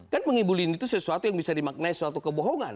kan mengibulin itu sesuatu yang bisa dimaknai suatu kebohongan